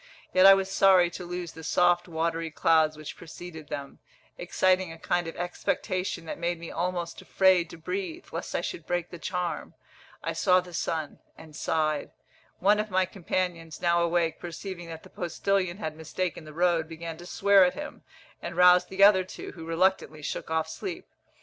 yet I was sorry to lose the soft watery clouds which preceded them, exciting a kind of expectation that made me almost afraid to breathe, lest I should break the charm. I saw the sun and sighed. One of my companions, now awake, perceiving that the postillion had mistaken the road, began to swear at him, and roused the other two, who reluctantly shook off sleep.